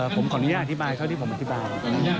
ผมขออนุญาตอธิบายเท่าที่ผมอธิบาย